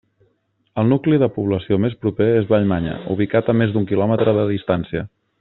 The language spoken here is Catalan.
El nucli de població més proper és Vallmanya, ubicat a més d'un quilòmetre de distància.